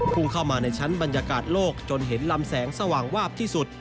พุ่งเข้ามาในชั้นบรรยากาศโลกจนเห็นลำแสงสว่างวาบที่สุด